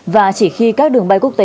và chỉ khi các đường bay kinh tế